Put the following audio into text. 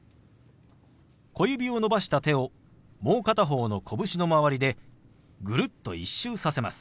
小指を伸ばした手をもう片方の拳の周りでぐるっと１周させます。